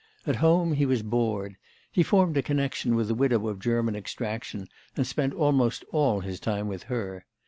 At home he was bored; he formed a connection with a widow of German extraction, and spent almost all his time with her.